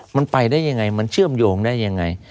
มันไปได้ยังไงมันเชื่อมโยงได้ยังไง